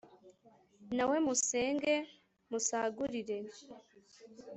na we musenge, musagurire